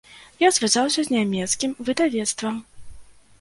Я звязаўся з нямецкім выдавецтвам.